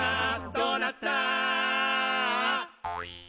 「どうなった？」